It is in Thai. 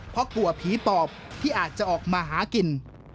เพราะกลัวผีปอบที่อาจจะออกมาหากิน